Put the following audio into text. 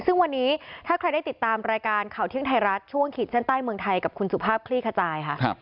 ซึ่งวันนี้ถ้าใครได้ติดตามรายการข่าวเที่ยงไทยรัฐช่วงขีดเส้นใต้เมืองไทยกับคุณสุภาพคลี่ขจายค่ะ